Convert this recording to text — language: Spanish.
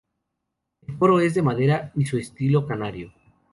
El coro es de madera y su estilo canario.